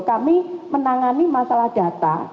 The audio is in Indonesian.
kami menangani masalah data